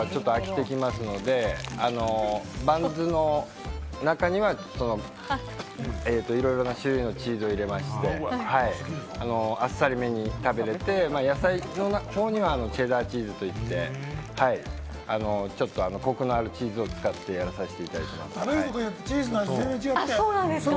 そうですね、１種類だけですと飽きてきますんで、バンズの中にはいろいろな種類のチーズを入れまして、あっさりめに食べれて、野菜の方にはチェダーチーズといって、ちょっとコクのあるチーズを使ってやらさせていただいてます。